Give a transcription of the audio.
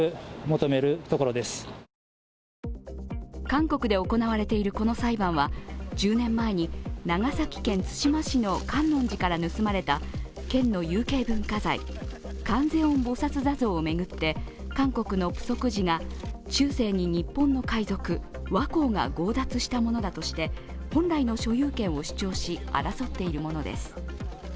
韓国で行われているこの裁判は１０年前に長崎県対馬市の観音寺から盗まれた県の有形文化財、観世音菩薩坐像を巡って韓国の浮石寺が中世に日本の海賊、倭寇が強奪したものだとして本来の所有権を主張し争っているものです。